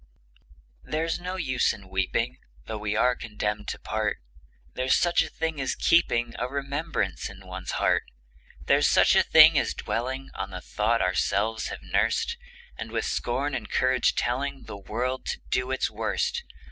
There's no use in weeping, Though we are condemned to part: There's such a thing as keeping A remembrance in one's heart: There's such a thing as dwelling On the thought ourselves have nursed, And with scorn and courage telling The world to do its worst.